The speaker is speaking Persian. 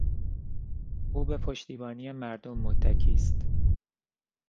او به پشتیبانی مردم متکی است.